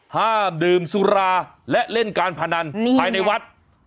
ห้ามดื่มสุราและเล่นการพนันภายในวัด